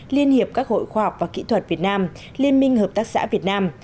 liên hiệp các hội khoa học và kỹ thuật việt nam liên minh hợp tác xã việt nam